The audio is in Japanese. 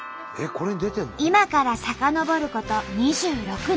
今から遡ること２６年。